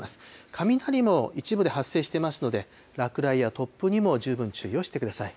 雷も一部で発生していますので、落雷や突風にも十分注意をしてください。